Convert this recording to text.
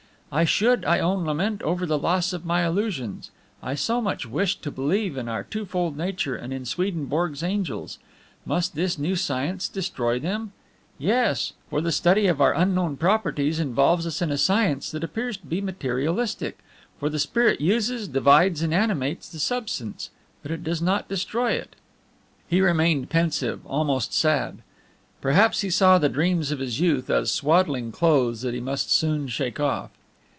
"I should, I own, lament over the loss of my illusions. I so much wished to believe in our twofold nature and in Swedenborg's angels. Must this new science destroy them? Yes; for the study of our unknown properties involves us in a science that appears to be materialistic, for the Spirit uses, divides, and animates the Substance; but it does not destroy it." He remained pensive, almost sad. Perhaps he saw the dreams of his youth as swaddling clothes that he must soon shake off.